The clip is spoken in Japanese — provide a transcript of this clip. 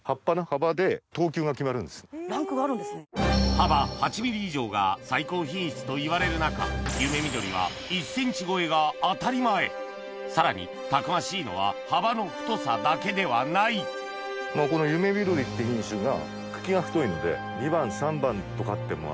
ランクがあるんですね。といわれる中ゆめみどりは１ｃｍ超えが当たり前さらにたくましいのは幅の太さだけではないこのゆめみどりって品種が。